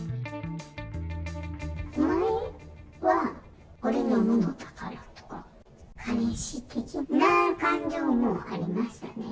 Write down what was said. お前は俺のものだからとか、彼氏的な感情もありましたね。